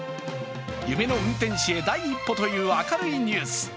夢の運転士へ第一歩という明るいニュース。